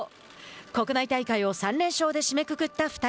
国内大会を３連勝で締めくくった２人。